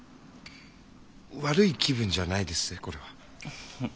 悪い気分じゃないですぜこれは。